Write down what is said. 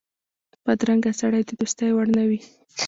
بدرنګه سړی د دوستۍ وړ نه وي